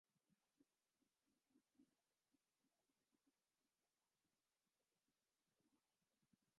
The company's current slogan is, People, performance, excellence.